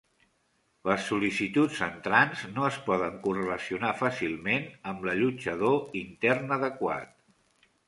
Les sol·licituds entrants no es poden correlacionar fàcilment amb l'allotjador intern adequat.